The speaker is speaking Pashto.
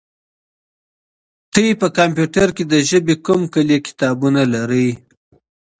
تاسي په کمپیوټر کي د ژبې کوم کلي کتابونه لرئ؟